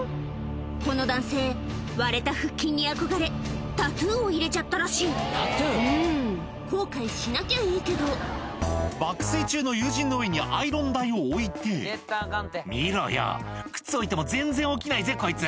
この男性割れた腹筋に憧れタトゥーを入れちゃったらしいうん後悔しなきゃいいけど爆睡中の友人の上にアイロン台を置いて「見ろよ靴置いても全然起きないぜこいつ」